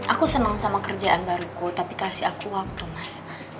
aku senang sama kerjaan baruku tapi kasih aku waktu mas